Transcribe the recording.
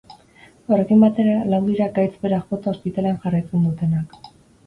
Horrekin batera, lau dira gaitz berak jota ospitalean jarraitzen dutenak.